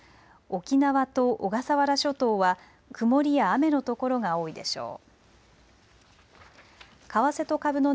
沖縄と小笠原諸島は曇りや雨の所が多いでしょう。